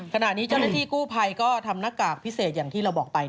ขณะนี้เจ้าหน้าที่กู้ภัยก็ทำหน้ากากพิเศษอย่างที่เราบอกไป